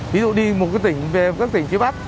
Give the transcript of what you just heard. ví dụ đi một tỉnh về các tỉnh phía bắc